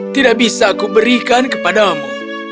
tidak bisa aku berikan kepadamu